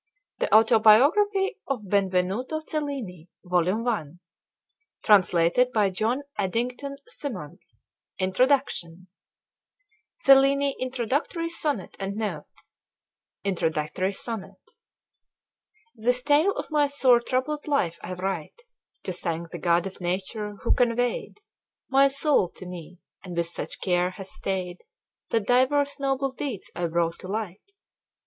] The Autobiography of Benvenuto Cellini Translated By John Addington Symonds With Introduction and Notes Volume 31 Introductory Sonnet THIS tale of my sore troubled life I write, To thank the God of nature, who conveyed My soul to me, and with such care hath stayed That divers noble deeds I've brought to light.